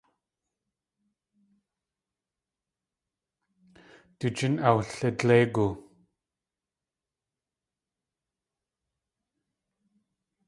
Du jín awlidléigu.